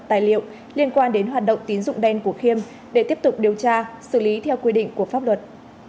tài liệu liên quan đến hoạt động tín dụng đen của khiêm để tiếp tục điều tra xử lý theo quy định của pháp luật